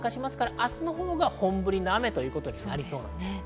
明日のほうが本降りの雨となりそうです。